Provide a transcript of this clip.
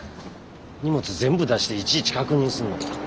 荷物全部出していちいち確認すんのか。